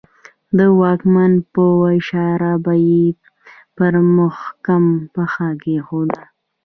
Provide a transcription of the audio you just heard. د واکمن په اشاره به یې پر محکوم پښه کېښوده.